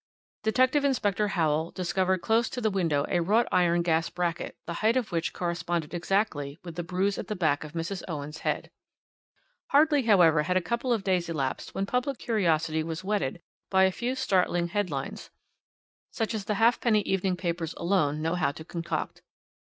Detective Inspector Howell discovered close to the window a wrought iron gas bracket, the height of which corresponded exactly with the bruise at the back of Mrs. Owen's head. "Hardly however had a couple of days elapsed when public curiosity was whetted by a few startling headlines, such as the halfpenny evening papers alone know how to concoct.